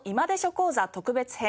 講座特別編